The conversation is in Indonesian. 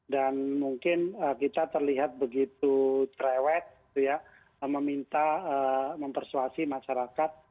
dan mungkin kita terlihat begitu cerewet ya meminta mempersuasi masyarakat